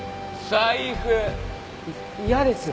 い嫌です。